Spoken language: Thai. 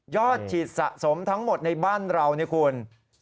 อดฉีดสะสมทั้งหมดในบ้านเรานี่คุณ